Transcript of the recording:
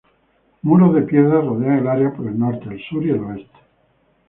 Muros de piedra rodean el área por el norte, el sur y el oeste.